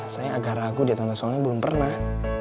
saya agak ragu deh tante soalnya belum pernah